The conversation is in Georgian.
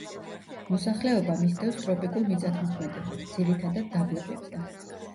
მოსახლეობა მისდევს ტროპიკულ მიწათმოქმედებას, ძირითადად დაბლობებზე.